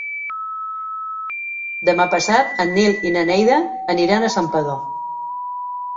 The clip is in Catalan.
Demà passat en Nil i na Neida aniran a Santpedor.